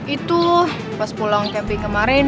itu pas pulang kepi kemarin